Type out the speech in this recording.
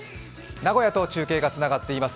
名古屋と中継がつながっています。